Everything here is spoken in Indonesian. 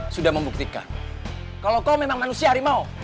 sudah membuktikan kalau kau memang manusia harimau